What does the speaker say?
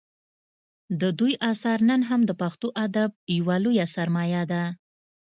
د دوی اثار نن هم د پښتو ادب یوه لویه سرمایه ده